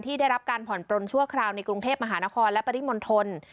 ได้รับการผ่อนปลนชั่วคราวในกรุงเทพมหานครและปริมณฑล